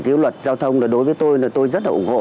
cái luật giao thông là đối với tôi là tôi rất là ủng hộ